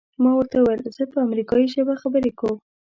ما ورته وویل زه په امریکایي ژبه خبرې کوم.